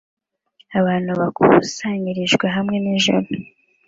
Abantu bakusanyirijwe hamwe nijoro